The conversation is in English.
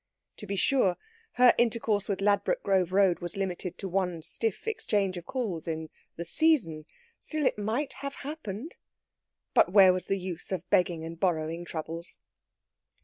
To be sure, her intercourse with Ladbroke Grove Road was limited to one stiff exchange of calls in "the season." Still, it might have happened ... but where was the use of begging and borrowing troubles?